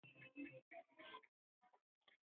Maneno matano ama manne kwa sentensi